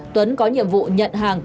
tuấn có nhiệm vụ nhận hàng